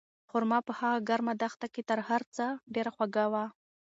خورما په هغه ګرمه دښته کې تر هر څه ډېره خوږه وه.